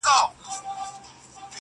په خندا يې مچولم غېږ يې راکړه!!